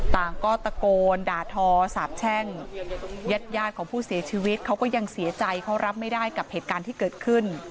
ต่างก็ตะโกนด่าทอสาบแช่งญาติยาดของผู้เสียชีวิตเขาก็ยังเสียใจเขารับไม่ได้กับเหตุการณ์ที่เกิดขึ้น